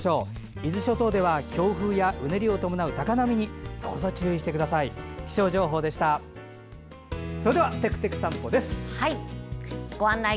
伊豆諸島では強風や、うねりを伴う高波にどうぞ注意してください。